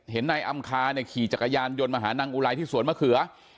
นายอำคาเนี่ยขี่จักรยานยนต์มาหานางอุไลที่สวนมะเขือ